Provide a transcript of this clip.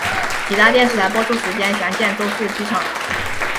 其他电视台播出时间详见周四剧场。